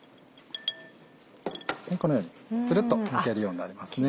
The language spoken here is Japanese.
このようにツルっとむけるようになりますね。